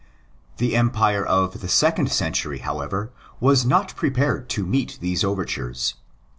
The Empire of the second century, however, was not prepared to meet these overtures.